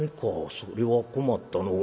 それは困ったのう。